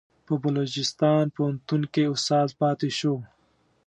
په بلوچستان پوهنتون کې استاد پاتې شو.